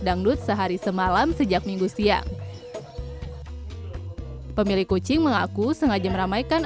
dangdut sehari semalam sejak minggu siang pemilik kucing mengaku sengaja meramaikan